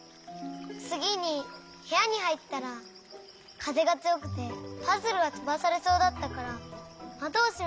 つぎにへやにはいったらかぜがつよくてパズルがとばされそうだったからまどをしめようとしたの。